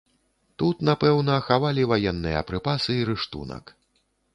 Тут, напэўна, хавалі ваенныя прыпасы і рыштунак.